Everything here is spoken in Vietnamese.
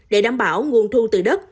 để đảm bảo nguồn thu từ đất